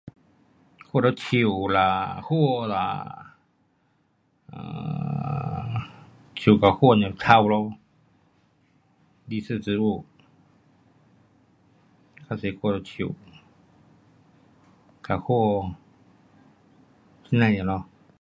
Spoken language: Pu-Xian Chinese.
看到树啦，花啦，啊，树跟丛跟草咯，绿色植物较多看到树，跟丛，这样尔咯。